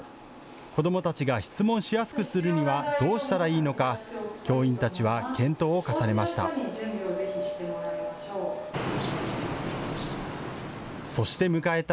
子どもたちが質問しやすくするにはどうしたらいいのか、教員たちは検討を重ねました。